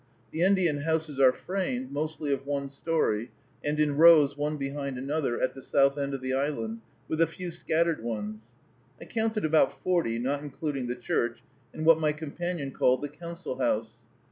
The Indian houses are framed, mostly of one story, and in rows one behind another, at the south end of the island, with a few scattered ones. I counted about forty, not including the church and what my companion called the council house.